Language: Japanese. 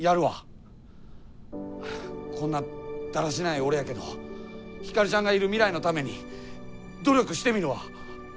こんなだらしない俺やけどヒカルちゃんがいる未来のために努力してみるわ！